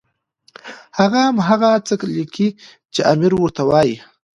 هغه هم هغه څه لیکي چې امیر ورته وایي.